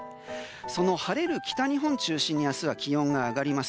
その晴れる北日本中心に明日は気温が上がります。